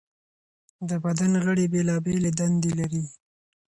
د بدن غړي بېلابېلې دندې لري.